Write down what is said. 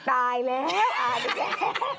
ตายแล้วอาจจะแก้ว